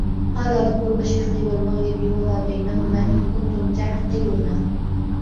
قَالَ رَبُّ الْمَشْرِقِ وَالْمَغْرِبِ وَمَا بَيْنَهُمَا إِنْ كُنْتُمْ تَعْقِلُونَ